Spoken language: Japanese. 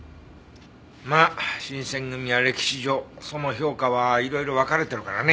まあ新選組は歴史上その評価はいろいろ分かれてるからね。